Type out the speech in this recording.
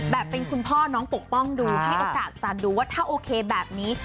เป็นคุณพ่อน้องปกป้องดูให้โอกาสสันดูว่าถ้าโอเคแบบนี้